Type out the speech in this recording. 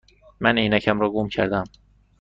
من عینکم را گم کرده ام.